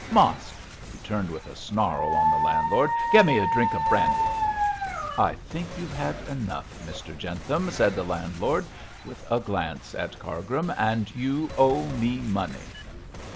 Mosk!' he turned with a snarl on the landlord, 'get me a drink of brandy.' 'I think you've had enough, Mr Jentham,' said the landlord, with a glance at Cargrim, 'and you know you owe me money.'